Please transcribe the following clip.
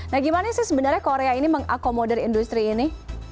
nah gimana sih sebenarnya korea ini mengakomodir industri ini